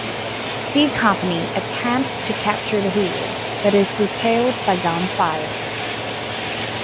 C Company attempts to capture the hill but is repelled by gunfire.